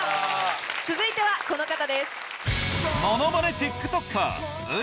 続いてはこの方です。